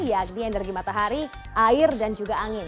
yakni energi matahari air dan juga angin